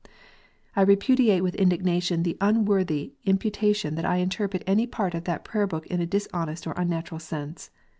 I repudiate with indignation the unworthy imputation that I interpret any part of that Prayer book in a dishonest or unnatural sense.